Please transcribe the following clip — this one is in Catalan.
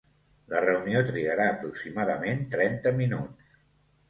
La reunió trigarà aproximadament trenta minuts.